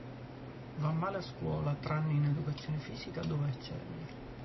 Va male a scuola, tranne in educazione fisica dove eccelle.